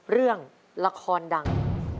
เรื่องละครดัง